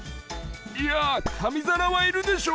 「いや紙皿はいるでしょ」。